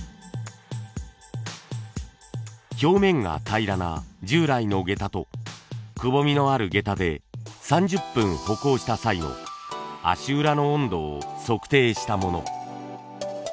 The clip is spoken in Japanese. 表面が平らな従来の下駄とくぼみのある下駄で３０分歩行した際の足裏の温度を測定したもの。